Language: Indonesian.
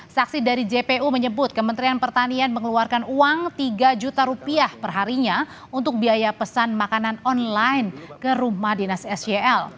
saksi dari jpu menyebut kementerian pertanian mengeluarkan uang tiga juta rupiah perharinya untuk biaya pesan makanan online ke rumah dinas sel